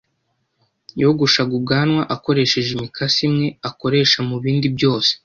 yogosha ubwanwa akoresheje imikasi imwe akoresha mubindi byose.